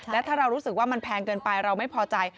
และถ้าเรารู้สึกว่ามันแพงเกินไปเราไม่พอใจ